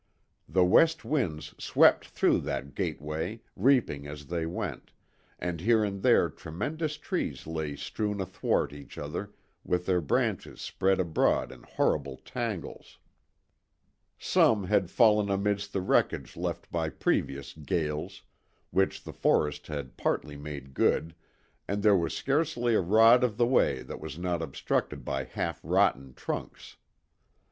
The west winds swept through that gateway, reaping as they went, and here and there tremendous trees lay strewn athwart each other with their branches spread abroad in horrible tangles. Some had fallen amidst the wreckage left by previous gales, which the forest had partly made good, and there was scarcely a rod of the way that was not obstructed by half rotten trunks.